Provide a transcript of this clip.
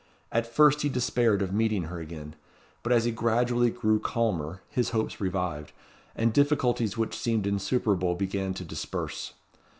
At first he despaired of meeting her again; but as he gradually grew calmer, his hopes revived, and difficulties which seemed insuperable began to disperse.